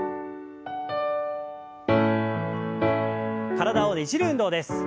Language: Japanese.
体をねじる運動です。